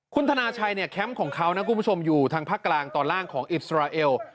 คุณธนาชัยเนี่ยแคมป์ของเขานะคุณผู้ชมอยู่ทางภาคกลางตอนล่างของอิสราเอล